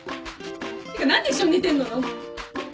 てか何で一緒に寝てんのよ。